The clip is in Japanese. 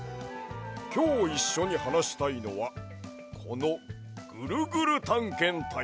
きょういっしょにはなしたいのはこの「ぐるぐるたんけんたい」。